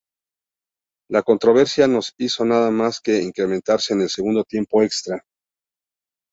La controversia no hizo nada más que incrementarse en el segundo tiempo extra.